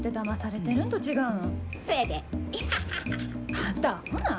あんたあほなん。